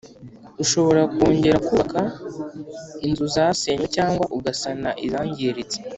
ushobora kongera kubaka inzuzasenywe, cyangwa ugasana izangiritse